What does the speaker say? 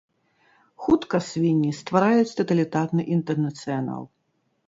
Хутка свінні ствараюць таталітарны інтэрнацыянал.